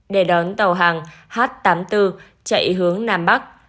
để đón tàu hàng h tám mươi bốn chạy hướng nam bắc